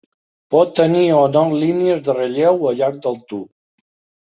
Pot tenir o no línies de relleu al llarg del tub.